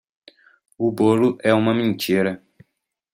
O bolo é uma mentira.